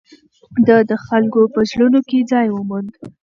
ده د خلکو په زړونو کې ځای وموند.